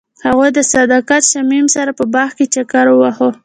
هغوی د صادق شمیم سره په باغ کې چکر وواهه.